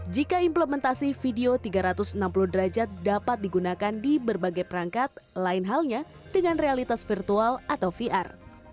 jika implementasi video tiga ratus enam puluh derajat dapat digunakan di berbagai perangkat lain halnya dengan realitas virtual atau vr